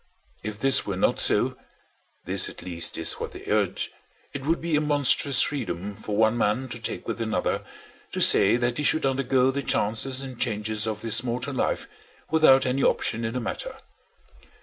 If this were not so (this at least is what they urge), it would be a monstrous freedom for one man to take with another, to say that he should undergo the chances and changes of this mortal life without any option in the matter.